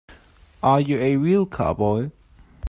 Are you a real cowboy?